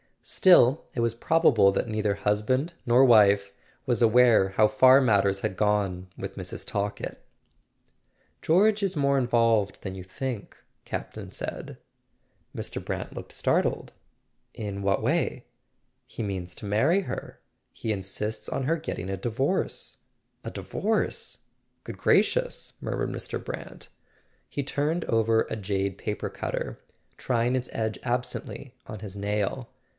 Still, it was probable that neither husband nor wife was aware how far matters had gone with Mrs. Talkett. "George is more involved than you think," Camp ton said. Mr. Brant looked startled. [ 348 ] A SON AT THE FRONT "In what way ?" "He means to marry her. He insists on her getting a divorce." "A divorce? Good gracious," murmured Mr. Brant. He turned over a jade paper cutter, trying its edge absently on his nail.